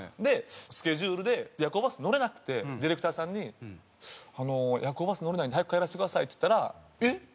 スケジュールで夜行バス乗れなくてディレクターさんに夜行バス乗れないんで早く帰らせてくださいって言ったらえっ？